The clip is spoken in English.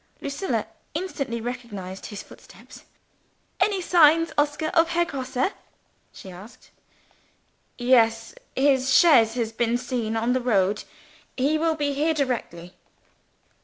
Lucilla instantly recognized his footstep. "Any signs, Oscar, of Herr Grosse?" she asked. "Yes. His chaise has been seen on the road. He will be here directly."